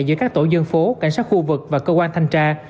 giữa các tổ dân phố cảnh sát khu vực và cơ quan thanh tra